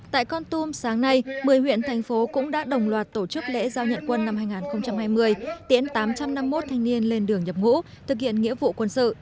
tại con tum sáng nay một mươi huyện thành phố cũng đã đồng loạt tổ chức lễ giao nhận quân năm hai nghìn hai mươi tiến tám trăm năm mươi một thanh niên lên đường nhập ngũ thực hiện nghĩa vụ quân sự